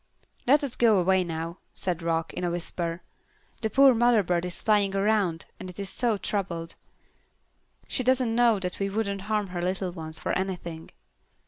"Let us go away now," said Rock, in a whisper. "The poor mother bird is flying around, and is so troubled. She doesn't know that we wouldn't harm her little ones for anything."